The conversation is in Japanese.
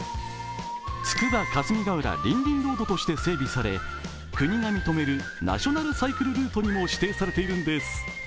つくば霞ヶ浦りんりんロードとして整備され、国が認めるナショナルサイクルルートにも指定されているんです。